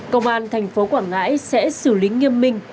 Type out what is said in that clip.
công an tp quảng ngãi sẽ xử lý nghiêm minh